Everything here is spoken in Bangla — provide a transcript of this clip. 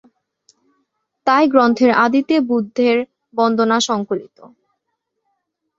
তাই গ্রন্থের আদিতে বুদ্ধের বন্দনা সংকলিত।